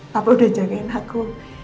papa udah jagain aku